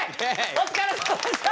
お疲れさまでした！